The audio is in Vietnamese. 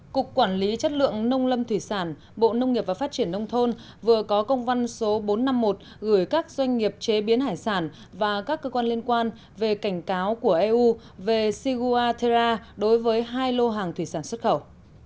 cục quản lý chất lượng nông lâm thủy sản bộ nông nghiệp và phát triển nông thôn vừa có công văn số bốn trăm năm mươi một gửi các doanh nghiệp chế biến hải sản và các cơ quan liên quan về cảnh cáo của eu về shigua tera đối với hai lô hàng thủy sản xuất khẩu